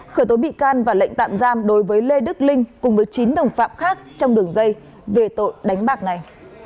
khởi tố bị can và lệnh tạm giam đối với lê đức linh cùng với chín đồng phạm khác trong đường dây về tội đánh bạc này